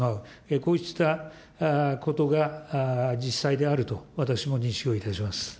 こうしたことが実際であると私も認識をいたします。